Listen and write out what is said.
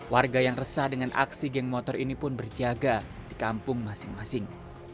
warga yang resah dengan aksi geng motor ini pun berjaga di kampung masing masing